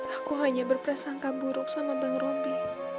aku hanya berpersangka buruk sama bang robi